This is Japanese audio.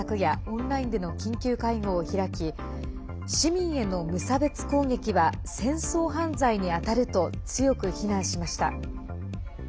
オンラインでの緊急会合を開き市民への無差別攻撃は戦争犯罪にあたると強く非難しました。